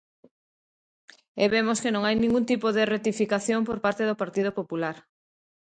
E vemos que non hai ningún tipo de rectificación por parte do Partido Popular.